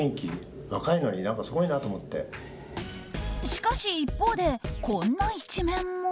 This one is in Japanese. しかし一方で、こんな一面も。